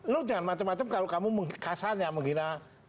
lo jangan macam macam kalau kamu kasar ya menghina